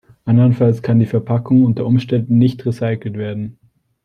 Andernfalls kann die Verpackung unter Umständen nicht recycelt werden.